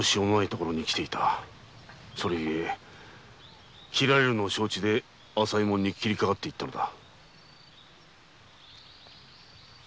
それゆえ斬られるのを承知で朝右衛門に斬りかかっていったのだ。